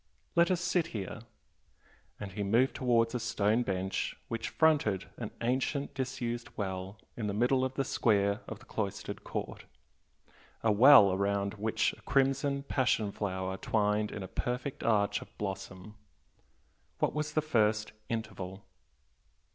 Let us sit here" and he moved towards a stone bench which fronted an ancient disused well in the middle square of the cloistered court, a well round which a crimson passion flower twined in a perfect arch of blossom "What was the first 'interval'?"